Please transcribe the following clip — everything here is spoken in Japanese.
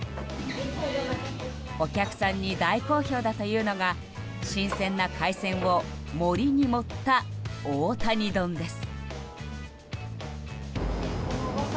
お客さんに大好評だというのが新鮮な海鮮を盛りに盛った大谷丼です。